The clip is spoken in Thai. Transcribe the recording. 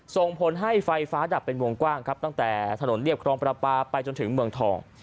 ส่งผลให้ไฟฟ้าดับเป็นวงกว้างครับตั้งแต่ถนนเรียบครองประปาไปจนถึงเมืองทอง